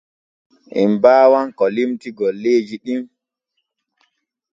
En baawan ko limti golleeji ɗin.